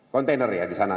container ya di sana